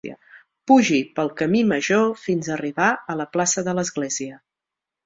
Pugi pel camí major fins a arribar a la plaça de l'església.